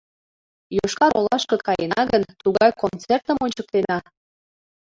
— Йошкар-Олашке каена гын, тугай концертым ончыктена.